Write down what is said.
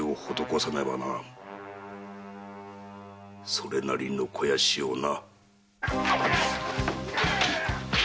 それなりの肥やしをな。